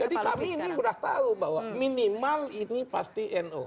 jadi kami ini sudah tahu bahwa minimal ini pasti no